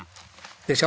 でしょ？